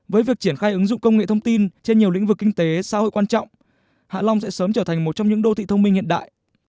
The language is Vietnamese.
với việc triển khai ứng dụng công nghệ thông tin trên nhiều lĩnh vực kinh tế xã hội quan trọng hạ long sẽ sớm trở thành một trong những đô thị thông minh hiện đại